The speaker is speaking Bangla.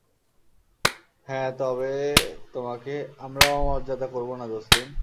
হ্যাঁ, তবে তোমাকে আমরা অমর্যাদা করব না, জোসলিন।